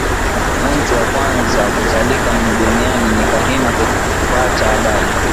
Muntu wakwanza kuzalika mu dunia ni kahina kufata abali